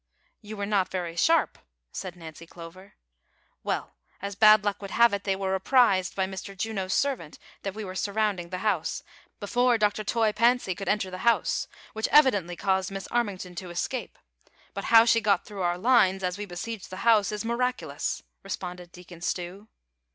"You were not very sharp," said Nancy Clover. "Well, as bad luck would have it, they Avere apprised by Mr. Juno's servant that we were surrounding the house, before Dr. Toy Fancy could enter the house, which evidently caused Miss Armington to escape ; but, how she got through our lines, as we besieged the house, is miracu lous," responded Deacon Stew.